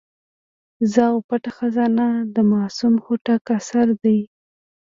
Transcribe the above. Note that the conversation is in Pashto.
زه او پټه خزانه د معصوم هوتک اثر دی.